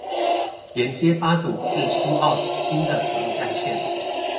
連接八堵至蘇澳新的鐵路幹線